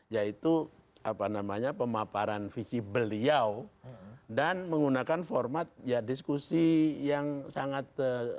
yaitu pemaparan visi beliau dan menggunakan format diskusi yang sangat santai seperti ini